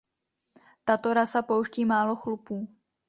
Tato rasa pouští málo chlupů.